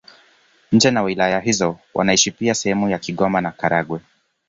Nje na wilaya hizo wanaishi pia sehemu za Kigoma na Karagwe.